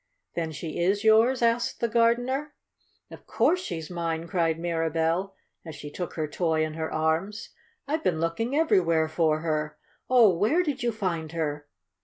"Then she is yours?" asked the gardener. "Of course she's mine!" cried Mirabell, as she took her toy in her arms. "I've been looking everywhere for her! Oh, where did you find her?"